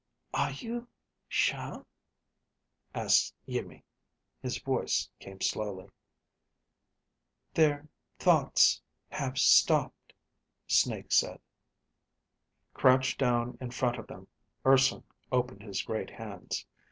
"Are you sure?" asked Iimmi. His voice came slowly. Their ... thoughts ... have ... stopped, Snake said. Crouched down in front of them, Urson opened his great hands.